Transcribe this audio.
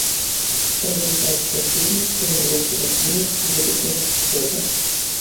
Прэзентацыя фільма плануецца вясною будучага года.